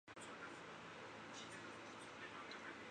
治所在光迁县。